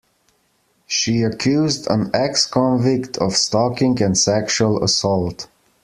She accused an ex-convict of stalking and sexual assault.